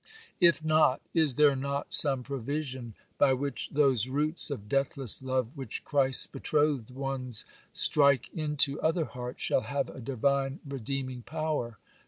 If not, is there not some provision by which those roots of deathless love which Christ's betrothed ones strike into other hearts shall have a divine, redeeming power?